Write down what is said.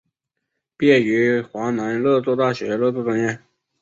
毕业于华南热作大学热作专业。